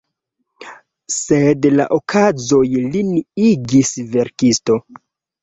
Sed la okazoj lin igis verkisto.